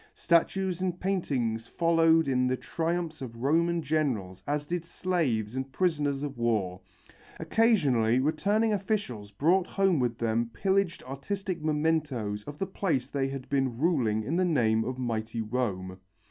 Statues and paintings followed in the triumphs of Roman generals as did slaves and prisoners of war. Occasionally returning officials brought home with them pillaged artistic mementoes of the place they had been ruling in the name of mighty Rome.